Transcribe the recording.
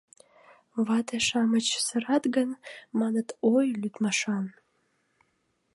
Вате-шамыч сырат гын, маныт, ой, лӱдмашан...